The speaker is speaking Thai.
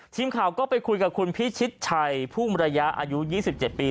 ทีมข่าวก็ไปคุยกับคุณพิชิตชัยภูมิระยะอายุ๒๗ปี